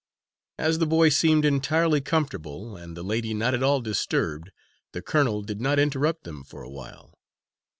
As the boy seemed entirely comfortable, and the lady not at all disturbed, the colonel did not interrupt them for a while.